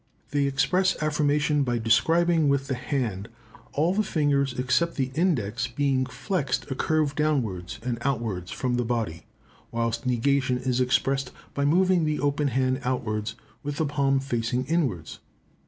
They express affirmation by describing with the hand (all the fingers except the index being flexed) a curve downwards and outwards from the body, whilst negation is expressed by moving the open hand outwards, with the palm facing inwards.